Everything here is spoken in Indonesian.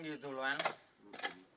pengen mukul orang gitu loh